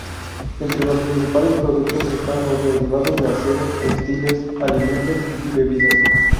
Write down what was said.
Entre los principales productos están los derivados de acero, textiles, alimentos y bebidas.